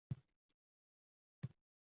Bu odatlar trekkeri boʻlishi mumkin